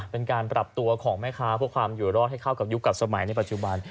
เป็นการปรับตัวของแม่ค้าเพื่อความอยู่รอดให้เข้ากับยุคกับสมัยในปัจจุบัน